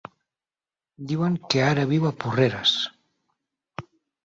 Diuen que ara viu a Porreres.